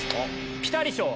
ピタリ賞